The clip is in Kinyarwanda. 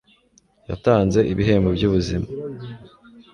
Yatanze ibihembo byubuzima